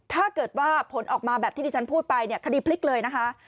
ถ้าเกิดว่าผลออกมาแบบที่ที่ฉันพูดไปเนี่ยคดีพลิกเลยนะคะ